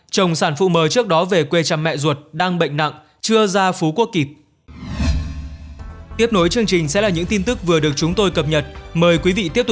chồng sản phụ mờ trước đó về quê cha mẹ ruột đang bệnh nặng chưa ra phú quốc kịp